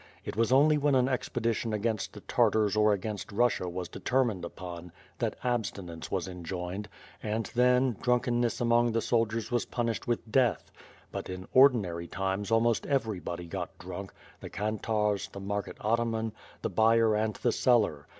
It was only when an expedition against the Tartars or against Russia was determined upon that abstinence was enjoined, and then, drunkenness among the soldiers was punished with death; but in ordinary times almost everybody got drunk, the kantarz, the market ataman; the buyer and the seller.